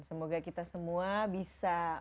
semoga kita semua bisa